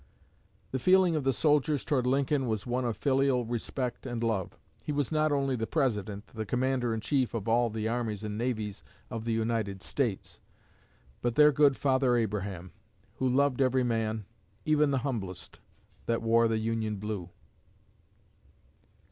The feeling of the soldiers toward Lincoln was one of filial respect and love. He was not only the President, the commander in chief of all the armies and navies of the United States, but their good "Father Abraham," who loved every man, even the humblest, that wore the Union blue.